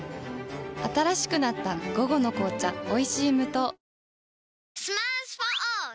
新しくなった「午後の紅茶おいしい無糖」